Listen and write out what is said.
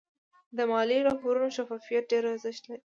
د مالي راپورونو شفافیت ډېر ارزښت لري.